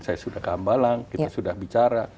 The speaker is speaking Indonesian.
saya sudah ke ambalang kita sudah bicara